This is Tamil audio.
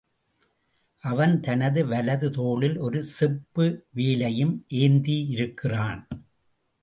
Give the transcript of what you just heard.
அவன் தனது வலது தோளில் ஒரு செப்பு வேலையும் ஏந்தியிருக்கிறான்.